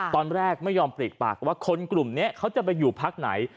ตอนแรกไม่ยอมปลีกปากว่าคนกลุ่มนี้เขาจะไปอยู่พักไหน